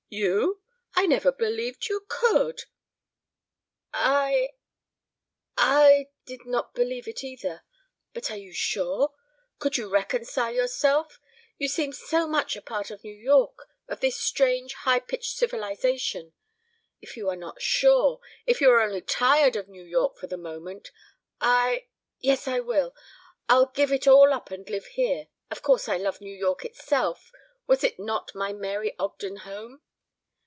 You! I never believed you could " "I I did not believe it either. ... But, are you sure? Could you reconcile yourself? You seem so much a part of New York, of this strange high pitched civilization. If you are not sure if you are only tired of New York for the moment. ... I yes, I will! I'll give it all up and live here. Of course I love New York itself was it not my Mary Ogden home?